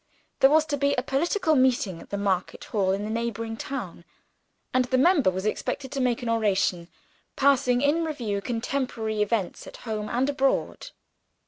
There was to be a political meeting at the market hall, in the neighboring town; and the member was expected to make an oration, passing in review contemporary events at home and abroad.